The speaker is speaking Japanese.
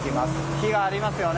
火がありますよね。